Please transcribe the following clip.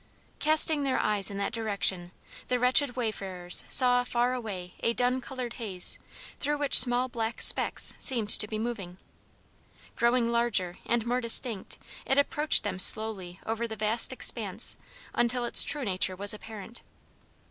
Casting their eyes in that direction the wretched wayfarers saw far away a dun colored haze through which small black specks seemed to be moving. Growing larger and more distinct it approached them slowly over the vast expanse until its true nature was apparent.